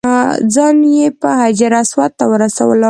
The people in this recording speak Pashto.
ځان به یې حجر اسود ته ورسولو.